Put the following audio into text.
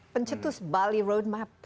pencetus bali roadmap